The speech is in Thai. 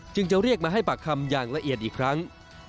จะเรียกมาให้ปากคำอย่างละเอียดอีกครั้ง